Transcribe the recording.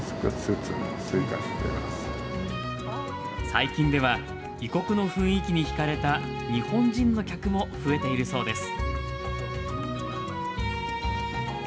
最近では異国の雰囲気に引かれた日本人の客も増えているそうです。